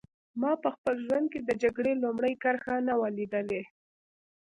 ما په خپل ژوند کې د جګړې لومړۍ کرښه نه وه لیدلې